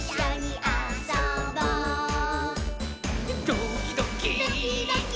「ドキドキ」ドキドキ。